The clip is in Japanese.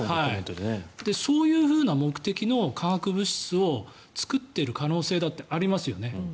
そういう目的の化学物質を作っている可能性だってありますよね。